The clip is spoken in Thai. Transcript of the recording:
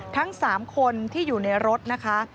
ทั้ง๓คนที่อยู่ในรถนะคะ